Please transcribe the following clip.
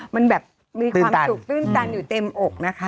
มันแบบมีความสุขตื้นตันอยู่เต็มอกนะคะ